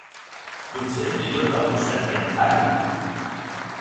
Potser és millor que algú cerqui en Harry?